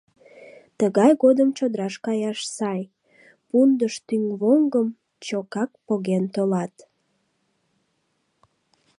Тыгай годым чодраш каяш сай — пундыштӱҥвоҥгым чокак поген толат.